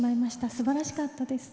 すばらしかったです。